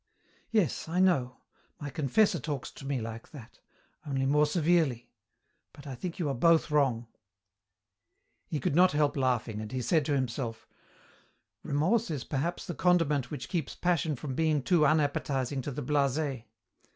"Yes, I know. My confessor talks to me like that only more severely but I think you are both wrong." He could not help laughing, and he said to himself, "Remorse is perhaps the condiment which keeps passion from being too unappetizing to the blasé."